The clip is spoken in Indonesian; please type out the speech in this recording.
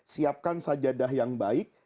siapkan sajadah yang baik